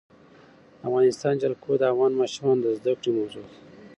د افغانستان جلکو د افغان ماشومانو د زده کړې موضوع ده.